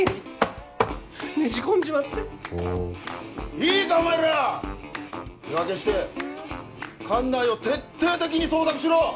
いいかお前ら！手分けして管内を徹底的に捜索しろ！